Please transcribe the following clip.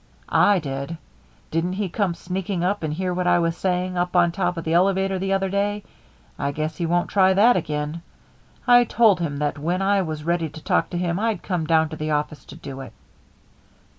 "I did. Didn't he come sneaking up and hear what I was saying up on top of the elevator the other day? I guess he won't try that again. I told him that when I was ready to talk to him, I'd come down to the office to do it."